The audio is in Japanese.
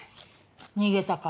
逃げたか。